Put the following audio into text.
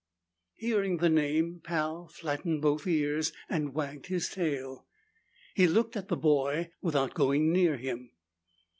Hearing the name, Pal flattened both ears and wagged his tail. He looked at the boy without going near him.